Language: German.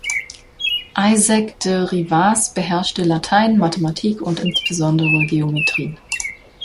Isaac de Rivaz beherrschte Latein, Mathematik und insbesondere Geometrie.